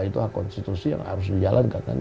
itu hak konstitusi yang harus dijalankan kan